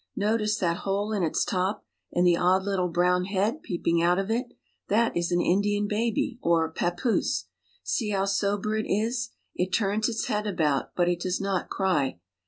Notice that hole in its top and the odd little brown head peeping out of it. That is an Indian baby, or papoose. See how sober it is. It turns its head about, but it does not cry.